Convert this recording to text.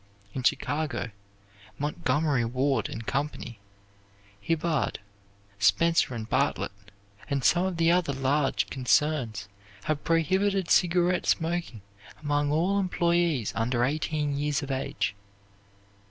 In Chicago, Montgomery Ward and Company, Hibbard, Spencer and Bartlett, and some of the other large concerns have prohibited cigarette smoking among all employees under eighteen years of age.